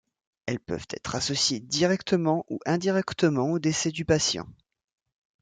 Elles peuvent être associées directement ou indirectement au décès du patient.